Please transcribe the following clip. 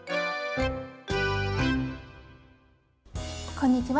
こんにちは。